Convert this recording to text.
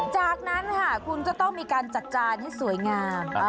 จากนั้นค่ะคุณก็ต้องมีการจัดจานให้สวยงาม